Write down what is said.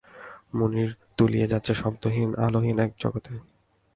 মুনির তুলিয়ে যাচ্ছে শব্দহীন আলোহীন এক জগতে!